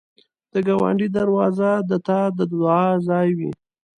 د ګاونډي دروازه د تا د دعا ځای وي